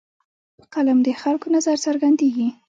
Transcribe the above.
په قلم د خلکو نظر څرګندېږي.